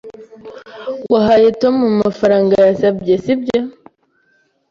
Wahaye Tom amafaranga yasabye, sibyo?